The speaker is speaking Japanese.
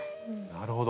なるほど。